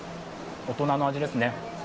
大人の味ですね。